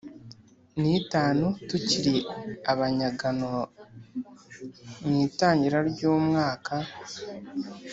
N itanu tukiri abanyagano mu itangira ry umwaka